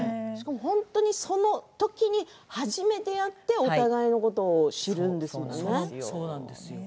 本当にそのときに初めて会って、お互いのことを知るんですものね。